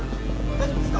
大丈夫ですか？